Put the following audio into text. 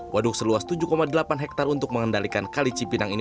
waduk seluas tujuh delapan hektare untuk mengendalikan kali cipinang ini